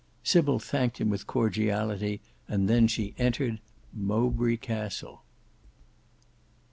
Sybil thanked him with cordiality, and then she entered—Mowbray Castle.